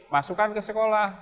masukan ke sekolah